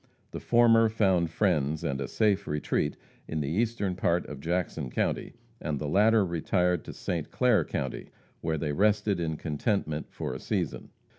The former found friends and a safe retreat in the eastern part of Jackson county, and the latter retired to St. Clair county, where they rested in contentment for a season.